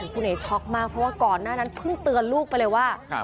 คุณเอ๋ช็อกมากเพราะว่าก่อนหน้านั้นเพิ่งเตือนลูกไปเลยว่า